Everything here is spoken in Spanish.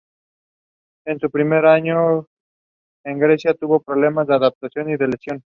En su primer año en Grecia tuvo problemas de adaptación y de lesiones.